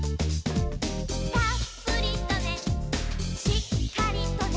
「たっぷりとねしっかりとね」